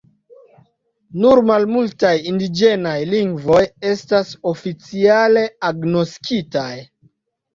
Nur malmultaj indiĝenaj lingvoj estas oficiale agnoskitaj.